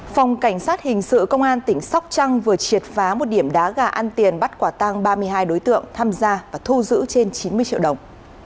phòng cảnh sát hình sự công an tỉnh sóc trăng vừa triệt phá một điểm đá gà ăn tiền bắt quả tang ba mươi hai đối tượng tham gia và thu giữ trên chín mươi triệu đồng